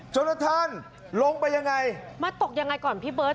กระทั่งลงไปยังไงมาตกยังไงก่อนพี่เบิร์ต